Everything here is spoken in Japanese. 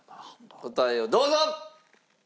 答えをどうぞ！